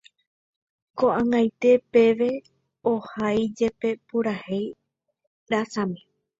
Koʼag̃aite peve ohaijepe purahéi rasami.